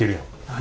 何？